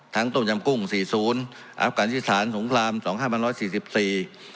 ทั้งต้มยำกุ้งสี่ศูนย์อัฤกษารสภงคลามสองห้าพันร้อยสี่สิบสี่